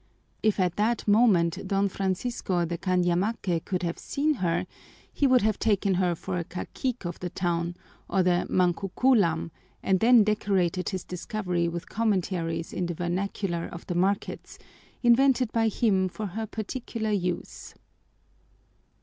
If at that moment Don Francisco de Cañamaque could have seen her, he would have taken her for a cacique of the town or the mankukúlam, and then decorated his discovery with commentaries in the vernacular of the markets, invented by him for her particular use.